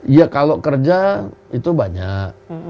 ya kalau kerja itu banyak